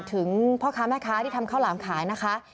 ถึงพ่อค้าแม่ค้าที่ทำข้าวหลามขายนะคะ